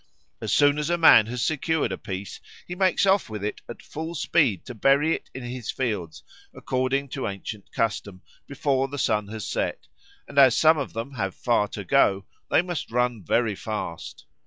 As soon as a man has secured a piece he makes off with it at full speed to bury it in his fields, according to ancient custom, before the sun has set, and as some of them have far to go they must run very fast.